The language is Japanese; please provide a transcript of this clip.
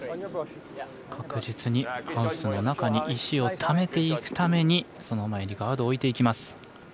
確実にハウスの中に石をためていくためにその前にガードを置いていきます。